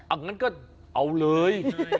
อันนั้นก็เอาเลย